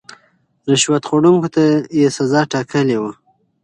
رشوت خوړونکو ته يې سزا ټاکلې وه.